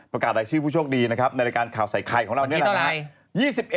รายชื่อผู้โชคดีนะครับในรายการข่าวใส่ไข่ของเรานี่แหละครับ